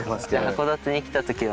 函館に来た時は。